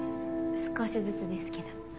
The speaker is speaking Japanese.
少しずつですけど。